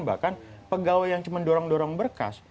bahkan pegawai yang cuma dorong dorong berkas